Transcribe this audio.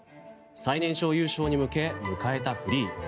最年少優勝に向け迎えたフリー。